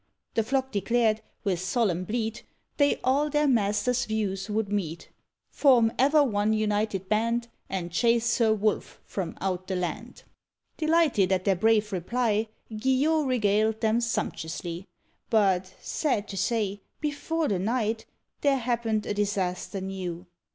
The flock declared, with solemn bleat, They all their master's views would meet, Form ever one united band, And chase Sir Wolf from out the land. Delighted at their brave reply, Guillot regaled them sumptuously. But, sad to say, before the night, There happened a disaster new.